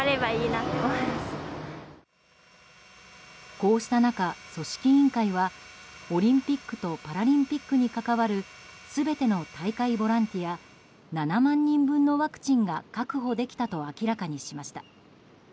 こうした中、組織委員会はオリンピックとパラリンピックに関わる全ての大会ボランティア７万人分のワクチンが確保できたと明らかにしました。